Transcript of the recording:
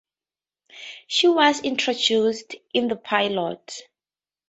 She was introduced in the pilot.